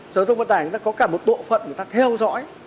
sở thông vận tải có cả một bộ phận người ta theo dõi